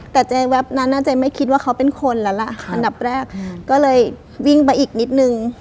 แต่เจ๊แวบนั้นเจ๊ไม่คิดว่าเขาเป็นคนแล้วล่ะอันดับแรกก็เลยวิ่งไปอีกนิดนึง